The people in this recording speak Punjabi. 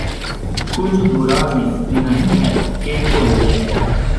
ਕੁਝ ਬੁਰਾ ਵੀ ਨਹੀਂ ਹੈ ਕਿ ਭੁੱਲ ਗਏ